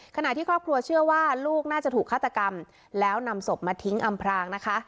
ขณะที่ครอบครัวเชื่อว่าลูกน่าจะถูกฆาตกรรมแล้วนำศพมาทิ้งอำพรางนะคะ